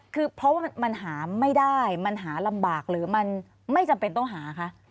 คือเพราะว่ามันหาไม่ได้มันหาลำบากหรือมันไม่จำเป็นต้องหาคะ